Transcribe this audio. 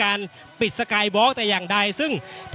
อย่างที่บอกไปว่าเรายังยึดในเรื่องของข้อ